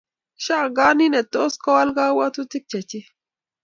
ashangani ne netos kowal kabwatutik chechik